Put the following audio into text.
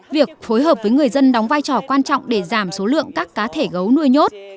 việc phối hợp với người dân đóng vai trò quan trọng để giảm số lượng các cá thể gấu nuôi nhốt